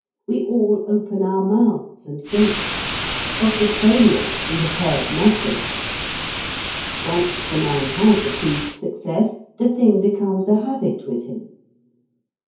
We all open our mouths and gape. Of the failures we have heard nothing. Once the man has achieved success, the thing becomes a habit with him.